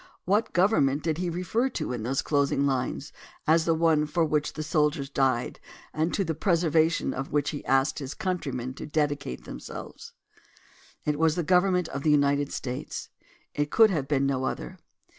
What government did he refer to in those closing lines as the one for which the soldiers died and to the preser vation of which he asked his countrymen to dedicate themselves? It was the government of the United States. It could have been no other.